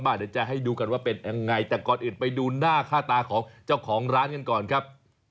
เดี๋ยวจะให้ดูกันว่าเป็นยังไงแต่ก่อนอื่นไปดูหน้าค่าตาของเจ้าของร้านกันก่อนครับ